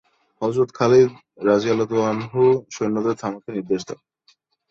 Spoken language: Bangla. হযরত খালিদ রাযিয়াল্লাহু আনহু সৈন্যদের থামতে নির্দেশ দেন।